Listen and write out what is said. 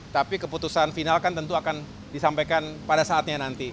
tapi keputusan final kan tentu akan disampaikan pada saatnya nanti